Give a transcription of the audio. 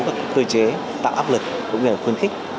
cái thứ ba là năng lực cơ chế tạo áp lực cũng như là khuyến khích